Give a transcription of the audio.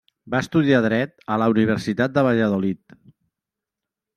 Va estudiar dret a la Universitat de Valladolid.